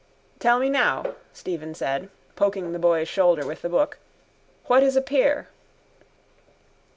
—Tell me now, Stephen said, poking the boy's shoulder with the book, what is a pier.